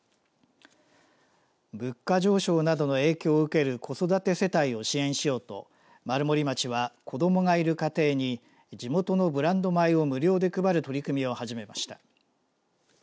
物価上昇などの影響を受ける子育て世帯を支援しようと丸森町は、子どもがいる家庭に地元のブランド米を無料で配る取り組みを始めました。